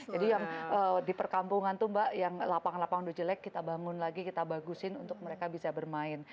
jadi yang di perkampungan itu mbak yang lapangan lapangan itu jelek kita bangun lagi kita bagusin untuk mereka bisa bermain